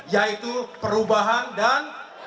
yaitu perubahan dan kekuatan